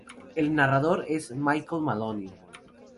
El narrador es Michael Maloney.